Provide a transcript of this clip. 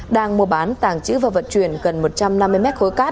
đang mua bán tàng trữ và vận chuyển gần một trăm năm mươi mét khối cát